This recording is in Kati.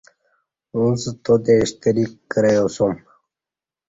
اݩڅ تاتے شتری کریاسُوم